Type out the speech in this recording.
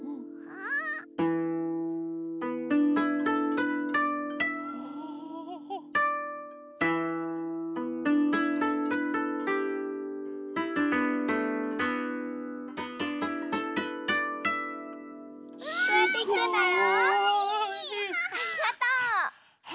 ありがとう。